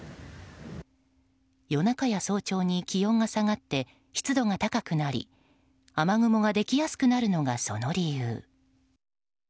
夜中や早朝に気温が下がって湿度が高くなり雨雲ができやすくなるのがその理由。